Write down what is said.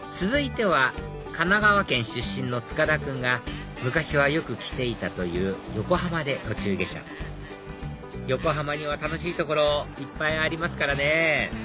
続いては神奈川県出身の塚田君が昔はよく来ていたという横浜で途中下車横浜には楽しい所いっぱいありますからね！